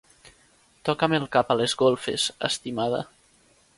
Toca'm el cap a les golfes, estimada.